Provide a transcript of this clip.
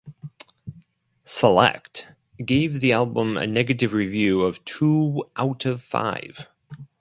"Select" gave the album a negative review of two out of five.